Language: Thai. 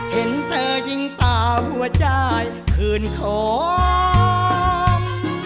เห็นเธอยิงป่าหัวใจคืนของ